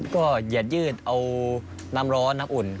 ก็เหยียดยืดเอาน้ำร้อนน้ำอุ่น